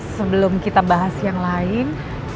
sebelum kita bahas yang lain